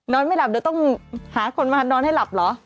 ไม่หลับเดี๋ยวต้องหาคนมานอนให้หลับเหรอ